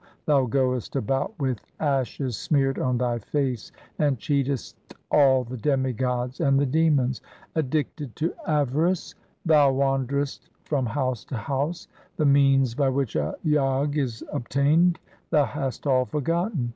Thou goest about with ashes smeared on thy face and cheatest all the demigods and the demons. Addicted to avarice thou wanderest from house to house ; the means by which Jog is obtained thou hast all forgotten.